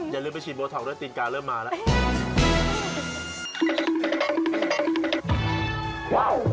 อย่าลืมไปฉีดโบท็อกด้วยตีนกาเริ่มมาแล้ว